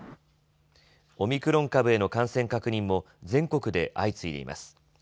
オミクロン株への感染確認も全国で相次いでいます。